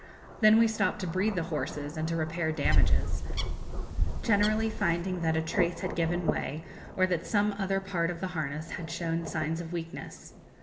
Then we stopped to breathe the horses and to repair damages, generally finding that a trace had given way, or that some other part of the harness had shown signs of weakness.